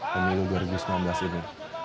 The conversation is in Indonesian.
pemilu dua ribu sembilan belas ini